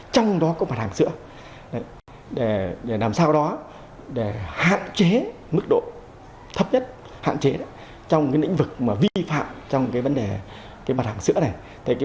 trong đó có mặt hàng sữa để làm sao đó để hạn chế mức độ thấp nhất hạn chế trong lĩnh vực vi phạm trong vấn đề mặt hàng sữa này